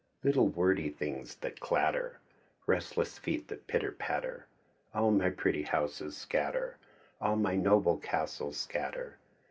Little wordy things that clatter. Restless feet that pitter patter. All my pretty houses scatter. All my noble castles scatter.